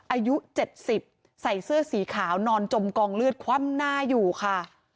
อายุ๗๐ใส่เสื้อสีขาวนอนจมกองเลือดคว่ำหน้าอยู่ค่ะ